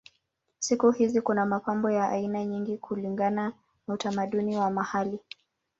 Siku hizi kuna mapambo ya aina nyingi kulingana na utamaduni wa mahali.